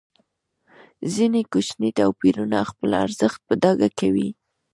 ځینې کوچني توپیرونه خپل ارزښت په ډاګه کوي.